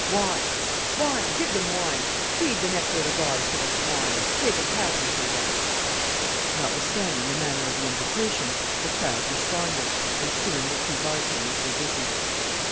"Wine, wine! Give them wine, feed the nectar of the gods to the swine! Make 'em happy for once." Notwithstanding the manner of the invitation, the crowd responded, and soon the two bartenders were busy.